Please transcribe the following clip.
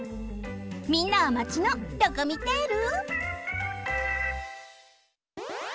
みんなはマチのドコミテール？